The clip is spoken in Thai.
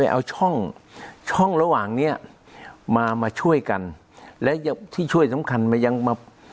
เอาช่องช่องระหว่างเนี้ยมามาช่วยกันและที่ช่วยสำคัญมายังมา